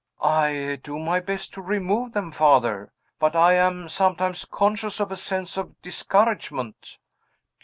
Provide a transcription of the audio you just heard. "I do my best to remove them, Father. But I am sometimes conscious of a sense of discouragement."